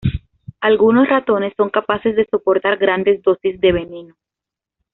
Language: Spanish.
Algunos ratones son capaces de soportar grandes dosis de veneno.